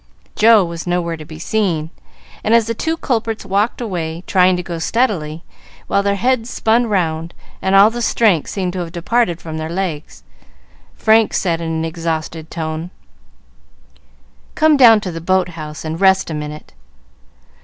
Joe was nowhere to be seen, and as the two culprits walked away, trying to go steadily, while their heads spun round, and all the strength seemed to have departed from their legs, Frank said, in an exhausted tone, "Come down to the boat house and rest a minute."